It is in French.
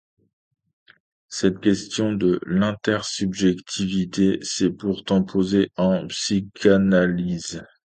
Cette question de l'intersubjectivité s'est pourtant posée en psychanalyse.